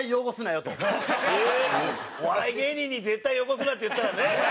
お笑い芸人に「絶対汚すな」って言ったらね。